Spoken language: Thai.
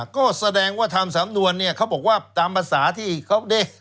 ก็แสดงว่าทำสำนวนเนี่ยเขาบอกว่าตามภาษาที่เขาได้